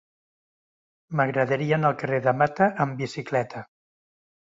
M'agradaria anar al carrer de Mata amb bicicleta.